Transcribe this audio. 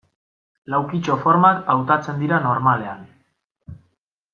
Laukitxo formak hautatzen dira normalean.